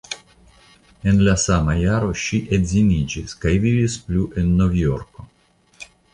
En la sama jaro ŝi edziniĝis kaj vivis plu en Novjorko.